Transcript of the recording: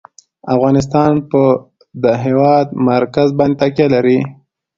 افغانستان په د هېواد مرکز باندې تکیه لري.